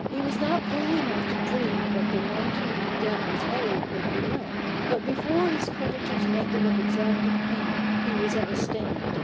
He was not fool enough to dream that the one to whom the debt was owed would relent ; but before his creditor's method of exacting payment he was at a stand.